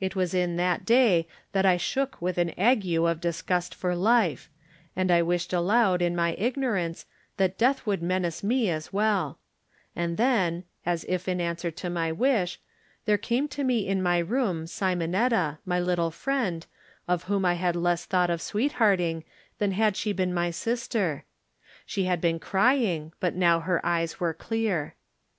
It was in that day that I shook with an ague of disgust for life, and I wished aloud in my ignorance that death would menace me as well; and then, as if in answer to my wish, there came to me in my room Simon etta, my little friend, of whom I had less thought of sweethearting than had she been my sister. She had been crying, but now her eyes were clear.